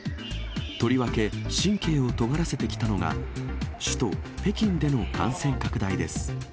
とりわけ神経をとがらせてきたのが、首都北京での感染拡大です。